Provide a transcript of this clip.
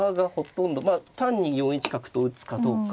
まあ単に４一角と打つかどうか。